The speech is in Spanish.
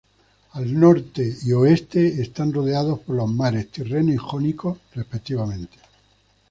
Al norte y oeste están rodeados por los mares tirreno y jónico, respectivamente.